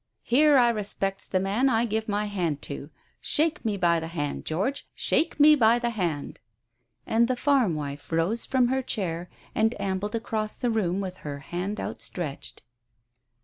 Here, I respects the man I give my hand to. Shake me by the hand, George shake me by the hand." And the farm wife rose from her chair and ambled across the room with her hand outstretched.